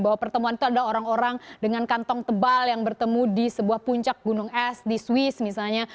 bahwa pertemuan itu adalah orang orang dengan kantong tebal yang bertemu di sebuah puncak gunung es di swiss misalnya